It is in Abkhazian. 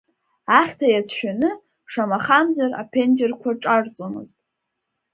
Ахьҭа иацәшәаны, шамахамзар, аԥенџьырқуа ҿарҵомызт.